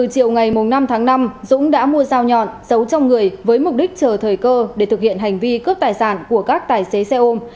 chiều ngày năm tháng năm dũng đã mua dao nhọn giấu trong người với mục đích chờ thời cơ để thực hiện hành vi cướp tài sản của các tài xế xe ôm